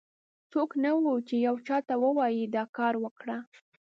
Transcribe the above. څوک نه و، چې یو چا ته ووایي دا کار وکړه.